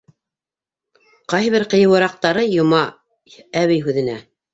Ҡайһы бер ҡыйыуыраҡтары Йомай әбей һүҙенә: